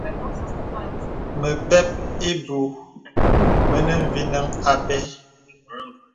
Məpɛ̂p ìbūū mìnə̀ mvinəŋ ā pɛ̂.